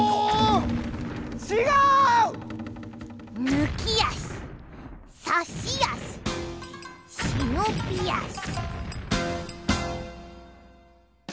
ぬきあしさしあししのびあし。